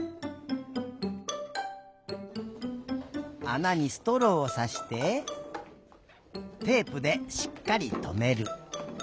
あなにストローをさしてテープでしっかりとめる。